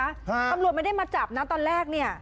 ตำรวจไม่ได้มาจับนะตอนแรกเนี่ย